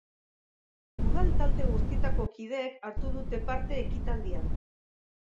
Udal talde guztietako kideek hartu dute parte ekitaldian.